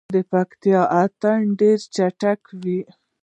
د پکتیا اتن ډیر چټک وي.